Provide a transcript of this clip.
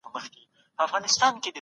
پوهان پوښتنې په څلورو برخو وېشي.